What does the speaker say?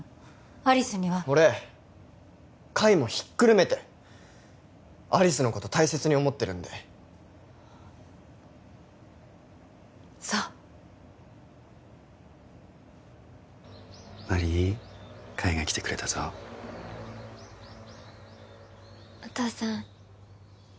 有栖には俺海もひっくるめて有栖のこと大切に思ってるんでそう真理海が来てくれたぞお父さん